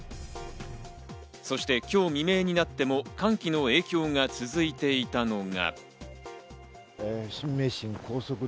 そして今日未明になっても、寒気の影響が続いていたのが。